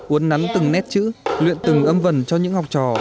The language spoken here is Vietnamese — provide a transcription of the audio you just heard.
uốn nắn từng nét chữ luyện từng âm vần cho những học trò